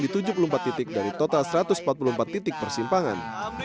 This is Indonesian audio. di tujuh puluh empat titik dari total satu ratus empat puluh empat titik persimpangan